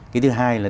cái thứ hai là